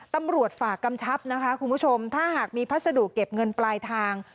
ตำรวจฝากกำชับนะคะคุณผู้ชมถ้าหากมีพัสดุเก็บเงินปลายทาง